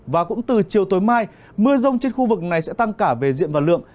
và cũng từ chiều tối mai mưa rông trên khu vực này sẽ tăng cả về diện và lượng